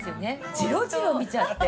ジロジロ見ちゃって。